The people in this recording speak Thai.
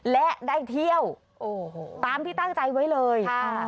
และได้เที่ยวตามที่ตั้งใจไว้เลย